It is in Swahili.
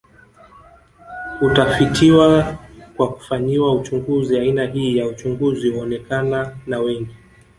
Hutafitiwa kwa kufanyiwa uchunguzi aina hii ya uchunguzi huonekana na wengi